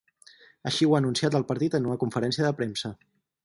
Així ho ha anunciat el partit en una conferència de premsa.